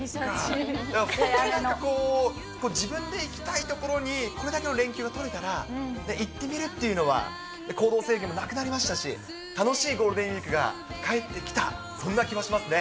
本当にこう、自分で行きたい所に、これだけの連休が取れたら、行ってみるっていうのは、行動制限もなくなりましたし、楽しいゴールデンウィークがかえってきた、そんな気もしますね。